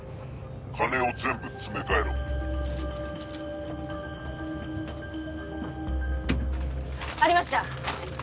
金を全部詰め替えろ。ありました。